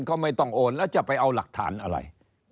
ก็ไม่ต้องโอนแล้วจะไปเอาหลักฐานอะไร